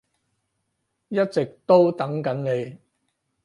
一直都等緊你